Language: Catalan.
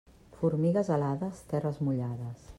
Formigues alades, terres mullades.